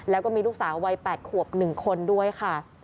แล้วก็มีลูกสาววัย๘ขวบ๑คนด้วยค่ะ